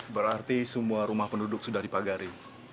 berarti semua rumah penduduk sudah dipagari